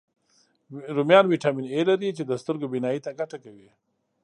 رومیان ویټامین A لري، چې د سترګو بینایي ته ګټه کوي